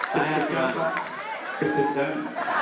saya juga deg degan